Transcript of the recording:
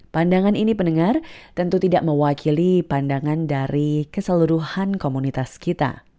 pandangan ini pendengar tentu tidak mewakili pandangan dari keseluruhan komunitas kita